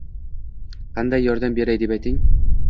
Qanday yordam beray?” deb ayting.